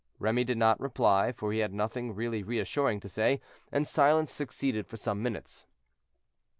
Remy did not reply, for he had nothing really reassuring to say, and silence succeeded for some minutes.